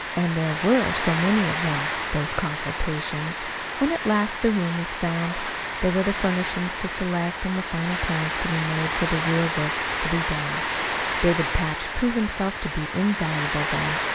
And there were so many of them those consultations! When at last the room was found, there were the furnishings to select, and the final plans to be made for the real work to be done. David Patch proved himself to be invaluable then.